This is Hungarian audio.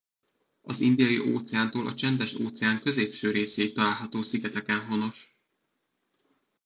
Az Indiai-óceántól a Csendes-óceán középső részéig található szigeteken honos.